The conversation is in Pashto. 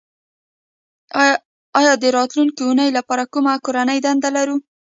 ایا د راتلونکې اونۍ لپاره کومه کورنۍ دنده لرو